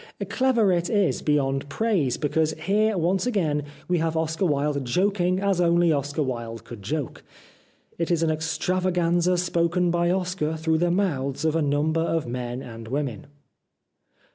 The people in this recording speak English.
Clever it is beyond praise, because here once again we have Oscar Wilde joking as only Oscar Wilde could joke. It is an extravaganza spoken by Oscar through the mouths of a number of men and women.